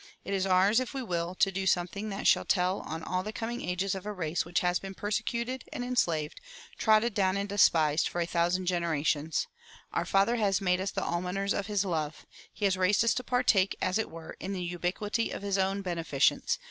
It is ours, if we will, to do something that shall tell on all the coming ages of a race which has been persecuted and enslaved, trodden down and despised, for a thousand generations. Our Father has made us the almoners of his love. He has raised us to partake, as it were, in the ubiquity of his own beneficence.